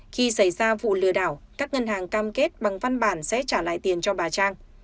khi xảy ra vụ lừa đảo các ngân hàng cam kết bằng văn bản sẽ trả lại tiền cho bà trang